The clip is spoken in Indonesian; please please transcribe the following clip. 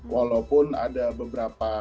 walaupun ada beberapa